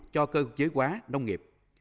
cho cơ giới hóa nông nghiệp